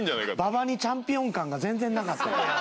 馬場にチャンピオン感が全然なかったやん。